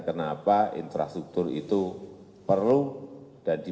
kenapa infrastruktur ini terjadi